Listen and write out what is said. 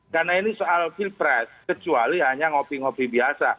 karena ini soal field press kecuali hanya ngopi ngopi biasa